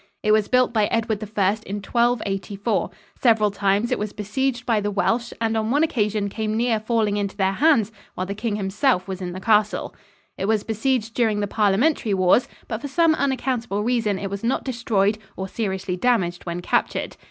It was built by Edward I in 1284. Several times it was besieged by the Welsh and on one occasion came near falling into their hands while the king himself was in the castle. It was besieged during the Parliamentary wars, but for some unaccountable reason it was not destroyed or seriously damaged when captured.